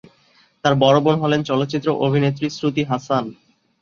তার বড়ো বোন হলেন চলচ্চিত্র অভিনেত্রী শ্রুতি হাসান।